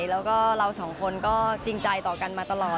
แล้วก็เราสองคนก็จริงใจต่อกันมาตลอด